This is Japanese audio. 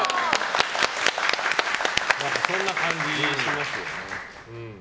そんな感じしますよね。